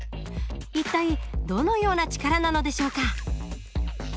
一体どのような力なのでしょうか。